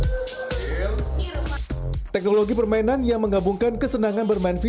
dengan membuat alat alatnya menjadi keseruan bermain game dan kreativitas membuat alat alatnya menjadi keseruan bermain game